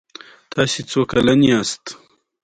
د حافظې د کمزوری لپاره د کندر او اوبو ګډول وکاروئ